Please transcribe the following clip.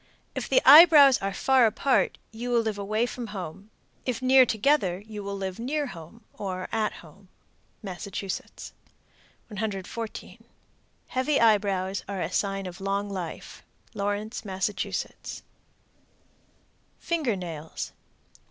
If the eyebrows are far apart, you will live away from home; if near together, you will live near home, or at home. Massachusetts. 114. Heavy eyebrows are a sign of long life. Lawrence, Mass. FINGER NAILS. 115.